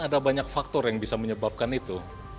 ada banyak faktor yang bisa menyebabkan itu